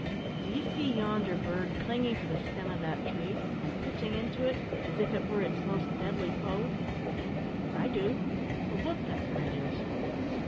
"Do you see yonder bird clinging to the stem of that tree, and pitching into it as if it were its most deadly foe?" "I do a woodpecker it is."